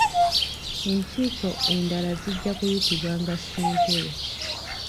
Enkiiko endala zijja kuyitibwanga ssentebe.